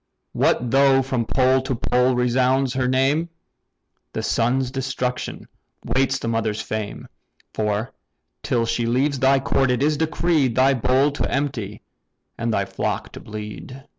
What though from pole to pole resounds her name! The son's destruction waits the mother's fame: For, till she leaves thy court, it is decreed, Thy bowl to empty and thy flock to bleed."